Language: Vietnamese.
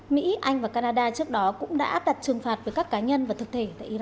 mỹ anh và canada trước đó cũng đã áp đặt trừng phạt với các cá nhân và thực thể tại iran